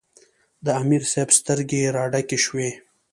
د امیر صېب سترګې راډکې شوې ـ